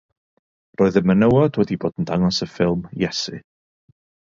Roedd y menywod wedi bod yn dangos y ffilm Iesu.